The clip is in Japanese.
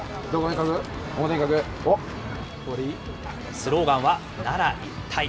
スローガンは、奈良、一体。